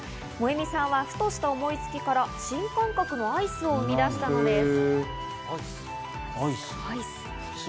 萌美さんはふとした思いつきから新感覚のアイスを生み出したのです。